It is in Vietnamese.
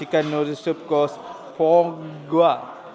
gọi là phong gua